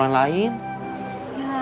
aku nanti ada keperluan lain